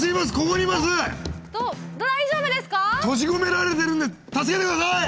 閉じ込められてるんで助けて下さい！